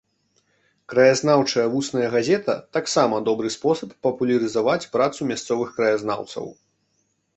Краязнаўчая вусная газета таксама добры спосаб папулярызаваць працу мясцовых краязнаўцаў.